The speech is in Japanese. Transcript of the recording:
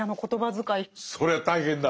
そりゃ大変だ。